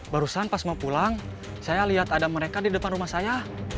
barusan pas mau pulang saya lihat ada mereka di depan rumah saya